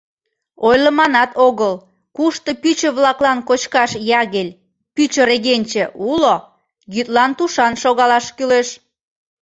Ойлыманат огыл, кушто пӱчӧ-влаклан кочкаш ягель — пӱчӧ регенче — уло, йӱдлан тушан шогалаш кӱлеш.